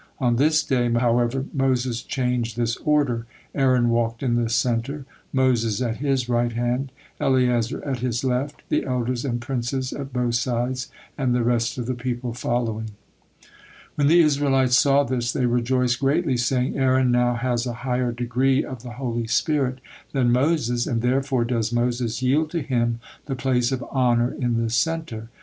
On this day, however, Moses changed this order; Aaron walked in the center, Moses at his right hand, Eleazar at his left, the elders and princes at both sides, and the rest of the people following. When the Israelites saw this, they rejoiced greatly, saying: "Aaron now has a higher degree of the Holy Spirit than Moses, and therefore does Moses yield to him the place of honor in the center."